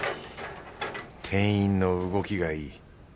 店員の動きがいい。